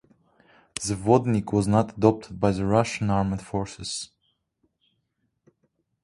The Vodnik was not adopted by the Russian Armed Forces.